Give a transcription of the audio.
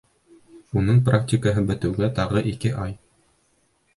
Уның практикаһы бөтөүгә тағы ике ай!